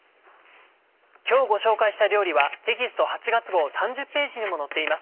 今日ご紹介した料理はテキスト８月号３０ページにも載っています。